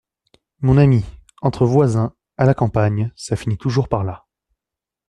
Mon ami, entre voisins, à la campagne, ça finit toujours par là.